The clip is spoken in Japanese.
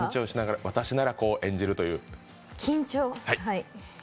私なら、こう演じるという。